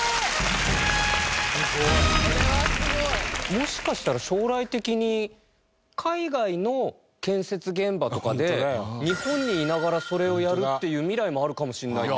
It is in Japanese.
もしかしたら将来的に海外の建設現場とかで日本にいながらそれをやるっていう未来もあるかもしれないっていう事。